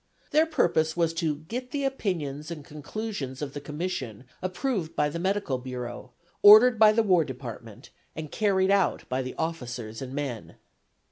Their purpose was to "get the opinions and conclusions of the Commission approved by the Medical Bureau, ordered by the War Department and carried out by the officers and men."